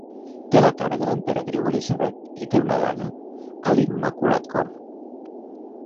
Té la cara de l'Emperadriu Elisabet i té una daga a l'Immaculat Cor.